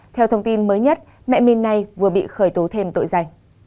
theo thông tin mới nhất mẹ minh nay vừa bị khởi tố thêm tội giành